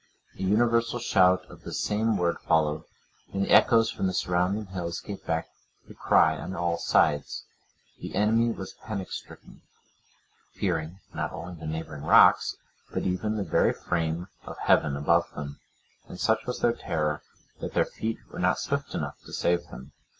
A universal shout of the same word followed, and the echoes from the surrounding hills gave back the cry on all sides, the enemy was panic stricken, fearing, not only the neighbouring rocks, but even the very frame of heaven above them; and such was their terror, that their feet were not swift enough to save them.